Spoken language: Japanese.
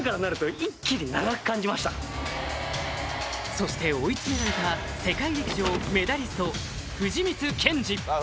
そして追い詰められた世界陸上メダリスト・藤光謙司